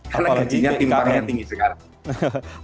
karena gajinya timpangnya tinggi sekarang